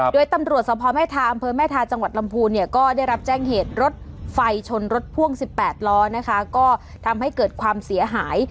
โดยตำรวจสภแม่ทาอำเภอแม่ทาจังหวัดลำพูนเนี่ยก็ได้รับแจ้งเหตุรถไฟชนรถพ่วง๑๘ล้อนะคะก็ทำให้เกิดความเสียหาย